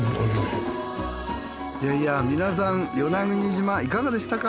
いやいや皆さん与那国島いかがでしたか？